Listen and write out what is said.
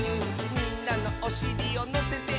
「みんなのおしりをのせてあげるよ」